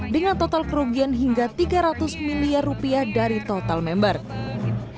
dengan total kerugian hingga tiga ratus miliar rupiah dari total member